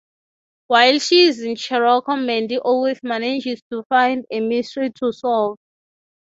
While she is in Cherokee Mandie always manages to find a mystery to solve.